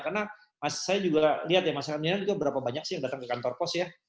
karena saya juga lihat ya masyarakat milenial juga berapa banyak sih yang datang ke kantor pos ya